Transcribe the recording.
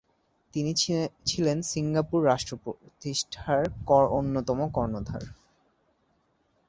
তিনি ছিলেন সিঙ্গাপুর রাষ্ট্র প্রতিষ্ঠার অন্যতম কর্ণধার।